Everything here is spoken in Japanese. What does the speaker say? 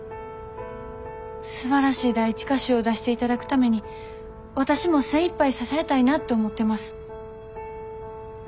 すばらしい第一歌集を出していただくために私も精いっぱい支えたいなって思ってます。